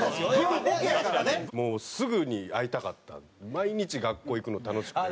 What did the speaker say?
毎日学校行くの楽しくて。